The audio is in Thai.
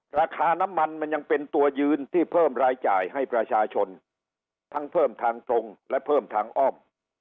ราคาน้ำมันมันยังเป็นตัวยืนที่เพิ่มรายจ่ายให้ประชาชนทั้งเพิ่มทางตรงและเพิ่มทางอ้อม